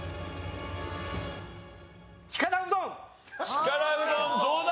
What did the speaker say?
力うどんどうだ？